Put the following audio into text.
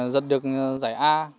rật được giải a